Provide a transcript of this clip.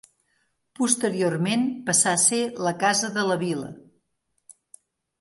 Posteriorment passà a ser la casa de la Vila.